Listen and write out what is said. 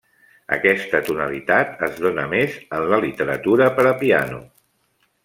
Aquesta tonalitat es dóna més en la literatura per a piano.